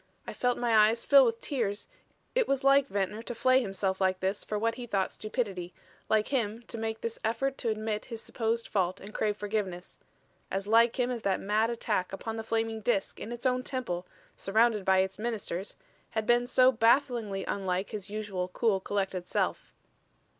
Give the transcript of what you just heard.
I felt my eyes fill with tears; it was like Ventnor to flay himself like this for what he thought stupidity, like him to make this effort to admit his supposed fault and crave forgiveness as like him as that mad attack upon the flaming Disk in its own temple, surrounded by its ministers, had been so bafflingly unlike his usual cool, collected self.